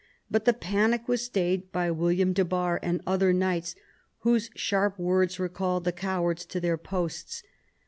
But the panic was stayed by "William de Barres and other knights, whose sharp words recalled the cowards to their posts.